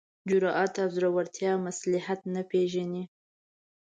جرات او زړورتیا مصلحت نه پېژني.